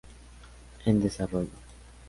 En desarrollo.